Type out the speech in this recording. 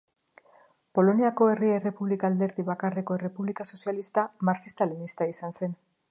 Poloniako Herri Errepublika alderdi bakarreko errepublika sozialista marxista-leninista izan zen.